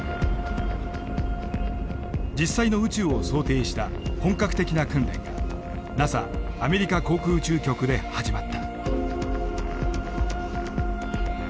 実際の宇宙を想定した本格的な訓練がＮＡＳＡアメリカ航空宇宙局で始まった。